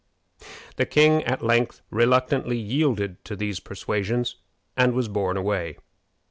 The king at length reluctantly yielded to these persuasions, and was borne away.